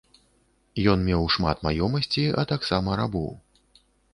Ён меў шмат маёмасці, а таксама рабоў.